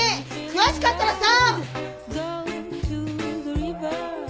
悔しかったらさ。